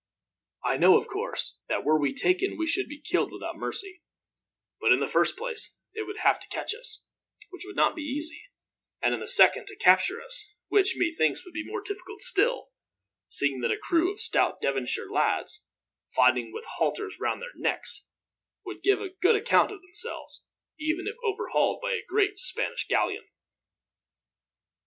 I know, of course, that were we taken we should be killed without mercy; but in the first place they would have to catch us, which would not be easy; and in the second to capture us, which, methinks would be more difficult still, seeing that a crew of stout Devonshire lads, fighting with halters round their necks, would give a good account of themselves, even if overhauled by a great Spanish galleon.